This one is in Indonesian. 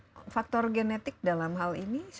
jadi bukan faktor genetik dalam hal ini